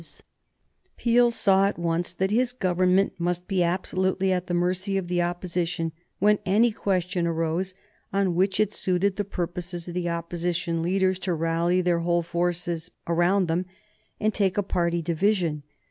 [Sidenote: 1835 The Office of Speaker] Peel saw at once that his Government must be absolutely at the mercy of the Opposition when any question arose on which it suited the purposes of the Opposition leaders to rally their whole forces around them and take a party division.